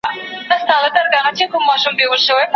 حساب ښه دی پر قوت د دښمنانو